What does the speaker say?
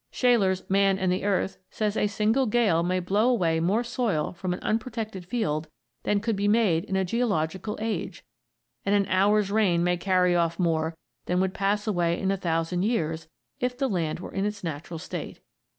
Shaler's "Man and the Earth" says a single gale may blow away more soil from an unprotected field than could be made in a geological age, and an hour's rain may carry off more than would pass away in a thousand years if the land were in its natural state.